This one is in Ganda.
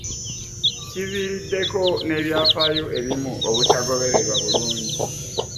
Kiviiriddeko n'ebyafaayo ebimu obutagobererwa bulungi